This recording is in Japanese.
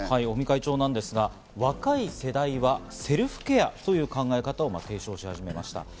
尾身会長ですが、若い世代はセルフケアという考えを提唱しだしました。